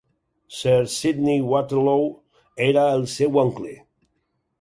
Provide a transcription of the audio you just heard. Sir Sydney Waterlow era el seu oncle.